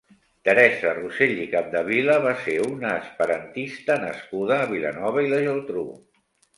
Teresa Rosell i Capdevila va ser una esperantista nascuda a Vilanova i la Geltrú.